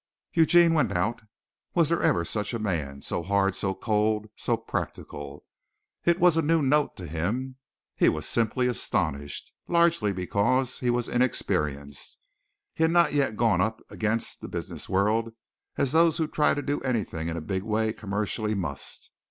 Eugene went out. Was there ever such a man, so hard, so cold, so practical! It was a new note to him. He was simply astonished, largely because he was inexperienced. He had not yet gone up against the business world as those who try to do anything in a big way commercially must.